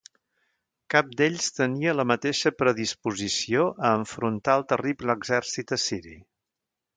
Cap d'ells tenia la mateixa predisposició a enfrontar al terrible exèrcit assiri.